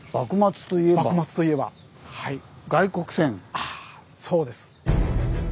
あそうです。